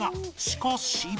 しかし